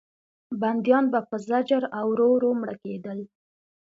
بندیان به په زجر او ورو ورو مړه کېدل.